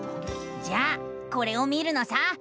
じゃあこれを見るのさ！